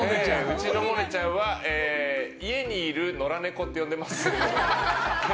うちのモネちゃんは家にいる野良猫って呼んでます。